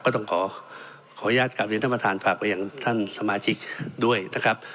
ต้องขออนุญาตกลับเรียนท่านประธานฝากไปยังท่านสมาชิกด้วยนะครับ